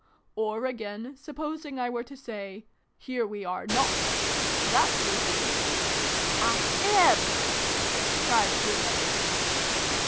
Or again, supposing I were to say ' Here we are not !'. that would be " a fib !" cried Bruno.